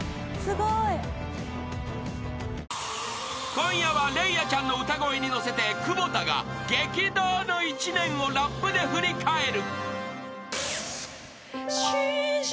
［今夜は礼愛ちゃんの歌声に乗せて久保田が激動の一年をラップで振り返る］